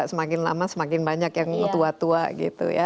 semakin lama semakin banyak yang tua tua gitu ya